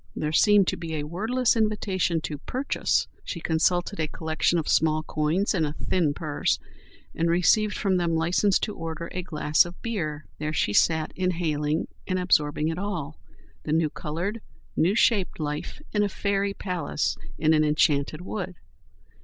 There seemed to be a wordless invitation to purchase; she consulted a collection of small coins in a thin purse, and received from them license to order a glass of beer. There she sat, inhaling and absorbing it all—the new coloured, new shaped life in a fairy palace in an enchanted wood.